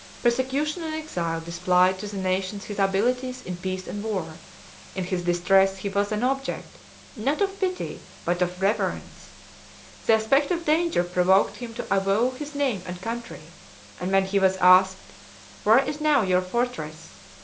Persecution and exile displayed to the nations his abilities in peace and war; in his distress he was an object, not of pity, but of reverence; the aspect of danger provoked him to avow his name and country; and when he was asked, "Where is now your fortress?"